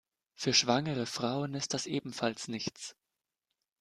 Für schwangere Frauen ist das ebenfalls nichts.